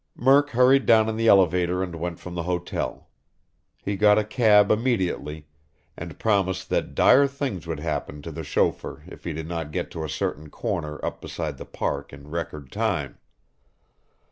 Murk hurried down in the elevator and went from the hotel. He got a cab immediately, and promised that dire things would happen to the chauffeur if he did not get to a certain corner up beside the Park in record time.